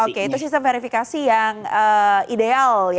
oke itu sistem verifikasi yang ideal